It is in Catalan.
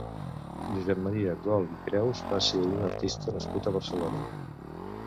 Josep Maria Gol i Creus va ser un artista nascut a Barcelona.